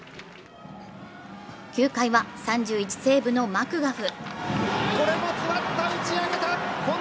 ９回は３１セーブのマクガフ。